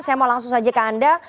saya mau langsung saja ke anda